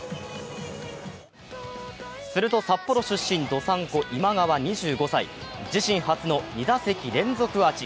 すると札幌出身、道産子・今川２５歳、自身初の２打席連続アーチ。